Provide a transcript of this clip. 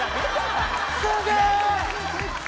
すげえ。